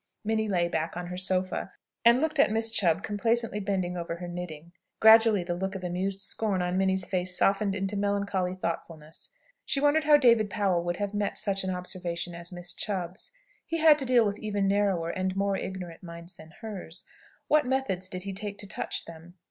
Minnie lay back on her sofa, and looked at Miss Chubb complacently bending over her knitting. Gradually the look of amused scorn on Minnie's face softened into melancholy thoughtfulness. She wondered how David Powell would have met such an observation as Miss Chubb's. He had to deal with even narrower and more ignorant minds than hers. What method did he take to touch them?